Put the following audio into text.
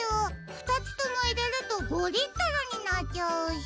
ふたつともいれると５リットルになっちゃうし。